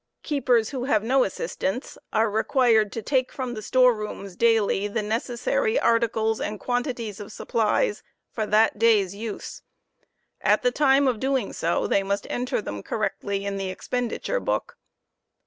Keepers who have no assistants are required to take from the ''dVand store rooms, daUy, the necessary articles and quantities of supplies for that At the time of doing so they must enter them correctly. in the expenditure ,book.